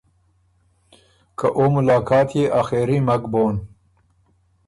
که او ملاقات يې آخېري مک بون۔